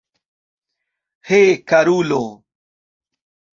He, karulo!